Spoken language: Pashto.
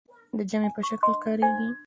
د جمع په شکل کاریږي.